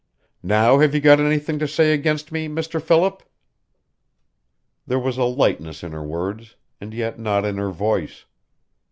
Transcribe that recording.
Now have you got anything to say against me, Mr. Philip?" There was a lightness in her words, and yet not in her voice.